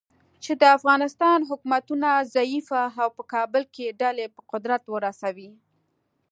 چې د افغانستان حکومتونه ضعیفه او په کابل کې ډلې په قدرت ورسوي.